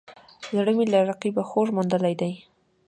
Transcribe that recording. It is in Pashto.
زړه مې له رقیبه خوږ موندلی دی